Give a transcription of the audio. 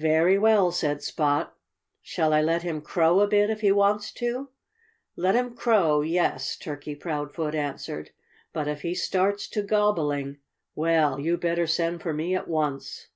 "Very well!" said Spot. "Shall I let him crow a bit, if he wants to?" "Let him crow yes!" Turkey Proudfoot answered. "But if he starts to gobbling well, you'd better send for me at once."